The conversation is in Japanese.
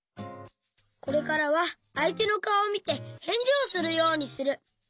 これからはあいてのかおをみてへんじをするようにする。